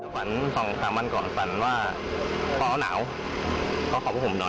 วัน๒๓วันก่อนฝันว่าเพราะเหนาเพราะขอบคุณคุณหน่อย